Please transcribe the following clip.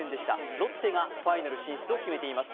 ロッテがファイナル進出を決めています。